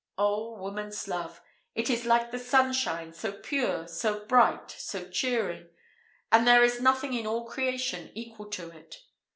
Oh, woman's love! It is like the sunshine, so pure, so bright, so cheering; and there is nothing in all creation equal to it!